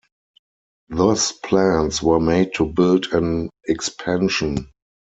Thus plans were made to build an expansion.